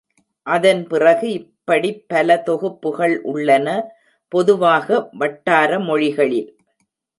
அதன்பிறகு இப்படிப் பல தொகுப்புகள் உள்ளன, பொதுவாக வட்டார மொழிகளில்.